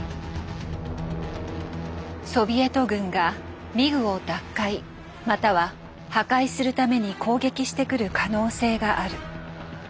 ソビエト軍がミグを奪回または破壊するために攻撃してくる可能性がある。